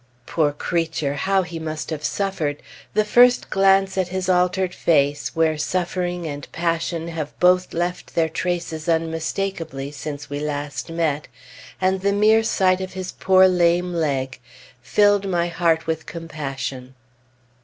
Poor creature, how he must have suffered! The first glance at his altered face where suffering and passion have both left their traces unmistakably since we last met, and the mere sight of his poor lame leg, filled my heart with compassion.